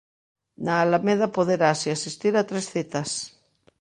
Na Alameda poderase asistir a tres citas.